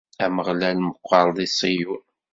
Ameɣlal meqqer di Ṣiyun.